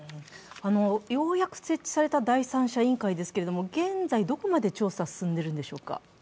ようやく設置された第三者委員会ですけれども、現在どこまで調査が進んでいるんでしょうか？